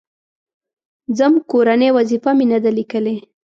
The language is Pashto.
_ځم، کورنۍ وظيفه مې نه ده ليکلې.